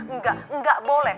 enggak enggak boleh